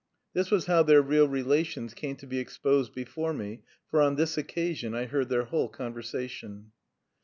This was how their real relations came to be exposed before me, for on this occasion I heard their whole conversation.